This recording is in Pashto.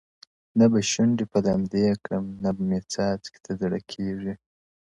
نه به شونډي په لمدې کړم نه مي څاڅکي ته زړه کیږي.!